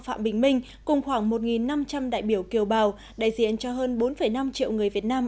phạm bình minh cùng khoảng một năm trăm linh đại biểu kiều bào đại diện cho hơn bốn năm triệu người việt nam